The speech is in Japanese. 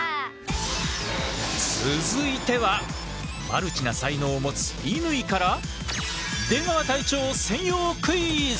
続いてはマルチな才能を持つ乾から出川隊長専用クイズ！